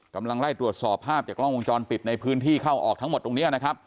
กำลังไล่ตรวจสอบภาพจากกล้องวงจรปิดในพื้นที่เข้าออกทั้งหมดตรงนี้นะครับ